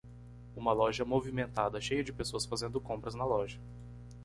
Uma loja movimentada cheia de pessoas fazendo compras na loja.